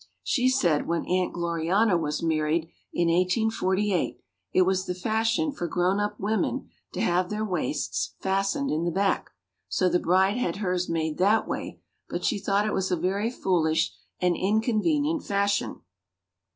She said when Aunt Glorianna was married, in 1848, it was the fashion for grown up women to have their waists fastened in the back, so the bride had hers made that way but she thought it was a very foolish and inconvenient fashion.